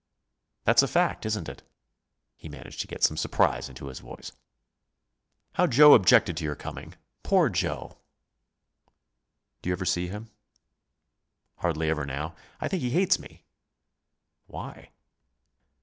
"That's a fact, isn't it!" He managed to get some surprise into his voice. "How Joe objected to your coming! Poor Joe!" "Do you ever see him?" "Hardly ever now. I think he hates me." "Why?"